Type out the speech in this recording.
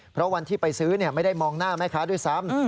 เพราะวันที่ไปซื้อไม่ได้มองหน้าแม่ค้าด้วยซ้ำ